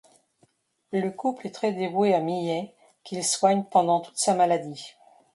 Le couple est très dévoué à Millet qu'il soignent pendant toute sa maladie.